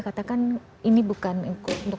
katakan ini bukan untuk